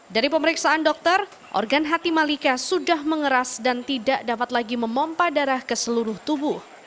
dari pemeriksaan dokter organ hati malika sudah mengeras dan tidak dapat lagi memompah darah ke seluruh tubuh